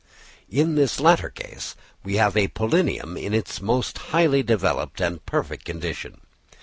In this latter case we have a pollinium in its most highly developed and perfect condition.